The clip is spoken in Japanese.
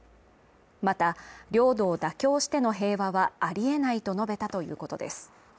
また、領土を妥協しての平和はあり得ないと述べたということです。